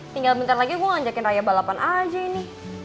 tinggal bentar lagi gue ngajakin raya balapan aja ini